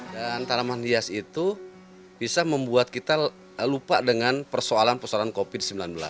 dan tanaman hias itu bisa membuat kita lupa dengan persoalan persoalan covid sembilan belas